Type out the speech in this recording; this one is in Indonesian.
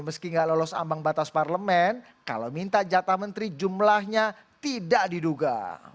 meski tidak lolos ambang batas parlemen kalau minta jatah menteri jumlahnya tidak diduga